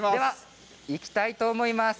いきたいと思います。